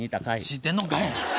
知ってんのかい。